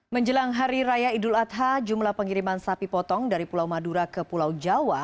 menjelang hari raya idul adha jumlah pengiriman sapi potong dari pulau madura ke pulau jawa